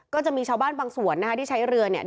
ก็จะมีชาวบ้านบางส่วนนะคะที่ใช้เรือเนี่ย